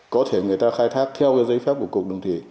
có thể người ta khai thác theo giấy phép của cục đường thủy